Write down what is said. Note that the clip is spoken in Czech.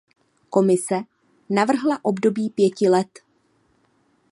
Komise navrhla období pěti let.